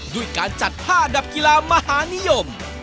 ด้วยการจัดผ้าอันดับกีฬามหานิยม